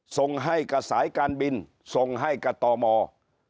ส่งให้กับสายการบินส่งให้กับตม